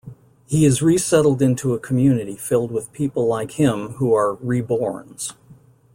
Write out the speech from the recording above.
He is resettled into a community filled with people like him who are "reborns".